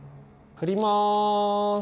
振ります。